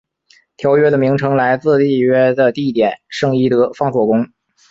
条约的名称来自缔约的地点圣伊德方索宫。